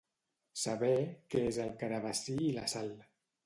Saber què és el carabassí i la sal.